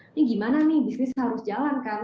ini gimana nih bisnis harus jalan kan